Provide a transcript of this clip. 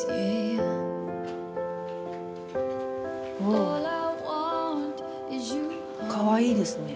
おかわいいですね。